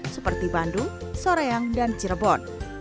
seperti bandung soreang dan cirebon